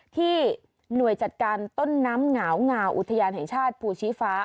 ที่หน่วยจัดการต้นน้ำเหงางาอุทยานแห่งชาติภูชีฟ้า